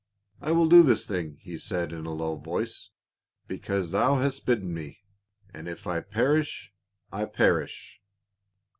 " I will do this thing," he said in a low voice, " because thou hast bidden me ; and if I perish, I perish."